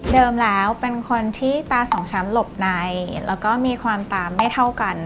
แล้วเป็นคนที่ตาสองช้ำหลบในแล้วก็มีความตามไม่เท่ากัน